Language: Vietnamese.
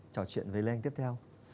trò chuyện với lê anh tiếp theo